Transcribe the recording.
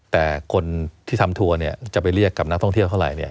แต่คนที่ทำทัวร์จะไปเรียกกับนักท่องเที่ยวเท่าไร